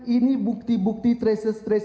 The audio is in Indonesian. ini bukti bukti treasure